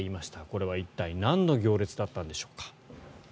これは一体なんの行列だったのでしょうか。